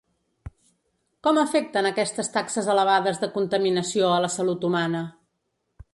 Com afecten aquestes taxes elevades de contaminació a la salut humana?